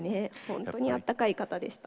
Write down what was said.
本当にあったかい方でした。